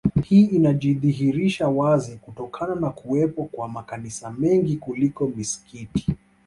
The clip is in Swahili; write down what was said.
Hii inajidhihirisha wazi kutokana na kuwepo kwa makanisa mengi kuliko misikiti